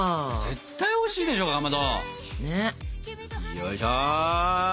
よいしょ。